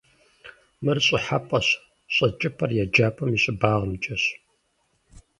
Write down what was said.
Мыр щӏыхьэпӏэщ, щӏэкӏыпӏэр еджапӏэм и щӏыбагъымкӏэщ.